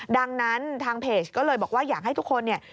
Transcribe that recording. ดังนั้นทางเพจก็เลยบอกว่าอยากให้ทุกคนเนี่ย